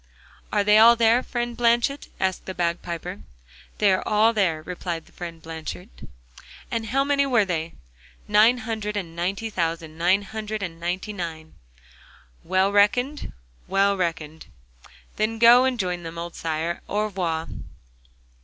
'Are they all there, friend Blanchet?' asked the bagpiper. 'They are all there,' replied friend Blanchet. 'And how many were they?' 'Nine hundred and ninety thousand, nine hundred and ninety nine.' 'Well reckoned?' 'Well reckoned.' 'Then go and join them, old sire, and au revoir.